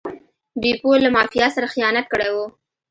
بیپو له مافیا سره خیانت کړی و.